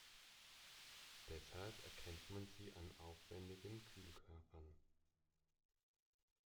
Deshalb erkennt man sie an aufwendigen Kühlkörpern.